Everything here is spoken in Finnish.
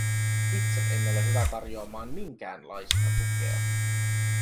Itse en ole hyvä tarjoamaan minkäänlaista tukea;